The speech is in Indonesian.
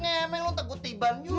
ngemen lo teguk tiban juga